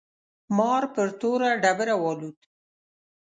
مار پر توره ډبره والوت.